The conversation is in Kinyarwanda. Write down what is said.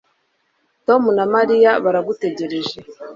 Tom na Mariya baragutegereje